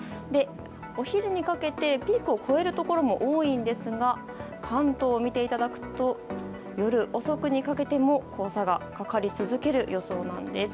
お昼にかけてピークを越えるところも多いんですが関東を見ていただくと夜遅くにかけても黄砂がかかり続ける予想なんです。